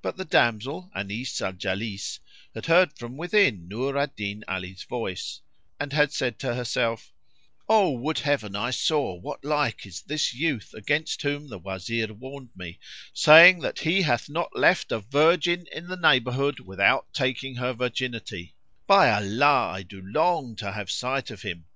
But the damsel, Anis al Jalis, had heard from within Nur al Din Ali's voice and had said to herself, "O would Heaven I saw what like is this youth against whom the Wazir warned me, saying that he hath not left a virgin in the neighbourhood without taking her virginity: by Allah, I do long to have sight of him!"